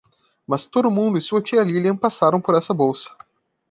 Mas todo mundo e sua tia Lilian passaram por essa bolsa.